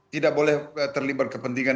tidak boleh terlibat kepentingan